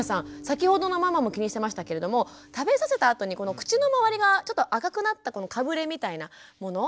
先ほどのママも気にしてましたけれども食べさせたあとに口の周りがちょっと赤くなったこのかぶれみたいなもの。